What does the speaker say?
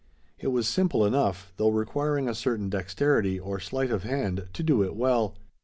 It was simple enough, though requiring a certain dexterity, or sleight of hand, to do it well.